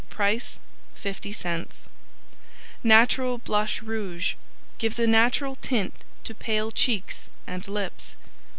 Price 50c Natural Blush Rouge Gives a natural tint to pale cheeks and Lips.